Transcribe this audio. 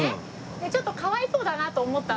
でちょっとかわいそうだなと思ったの。